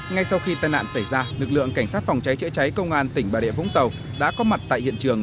ngay sau khi tai nạn xảy ra lực lượng cảnh sát phòng cháy chữa cháy công an tỉnh bà địa vũng tàu đã có mặt tại hiện trường